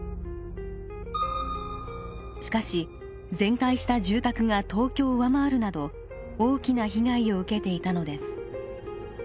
しかし全壊した住宅が東京を上回るなど大きな被害を受けていたのです。